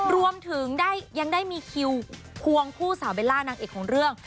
รวมถึงยังได้มีคิวควงคู่สาวเบลล่านางเอกของเรื่อง